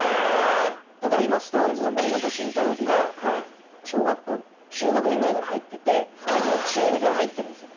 だから今ＳｉｘＴＯＮＥＳの森本慎太郎が小学校中学年ぐらいから入ってて僕が中２から入ってるんすよ。